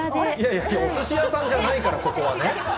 いやいや、おすし屋さんじゃないからね、ここは。